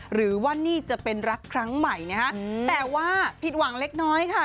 หรือว่านี่จะเป็นรักครั้งใหม่นะฮะแต่ว่าผิดหวังเล็กน้อยค่ะ